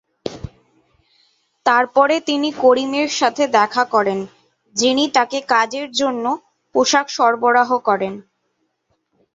তারপরে তিনি করিমের সাথে দেখা করেন, যিনি তাকে কাজের জন্য পোশাক সরবরাহ করেন।